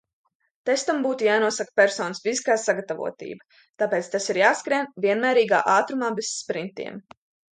Testam būtu jānosaka personas fiziskā sagatavotība, tāpēc tas ir jāskrien vienmērīgā ātrumā bez sprintiem.